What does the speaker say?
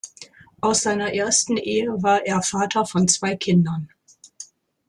Aus seiner ersten Ehe war er Vater von zwei Kindern.